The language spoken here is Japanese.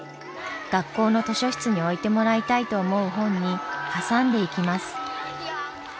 学校の図書室に置いてもらいたいと思う本に挟んでいきます。